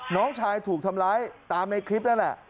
น้องชายถูกทำร้ายตามในคลิปนั่นแหละ